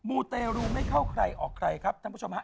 ูเตรูไม่เข้าใครออกใครครับท่านผู้ชมฮะ